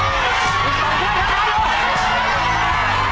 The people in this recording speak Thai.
ใส่เลยลูกพบแล้ว